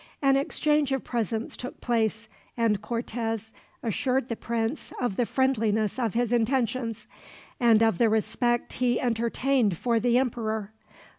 An exchange of presents took place, and Cortez assured the prince of the friendliness of his intentions, and of the respect he entertained for the emperor.